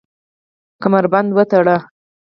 کمربند وتړئ